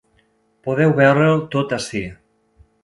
Podeu veure’l tot ací.